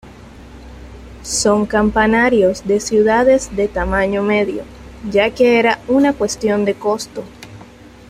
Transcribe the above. Son campanarios de ciudades de tamaño medio, ya que era una cuestión de costo.